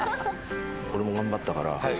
俺も頑張ったから。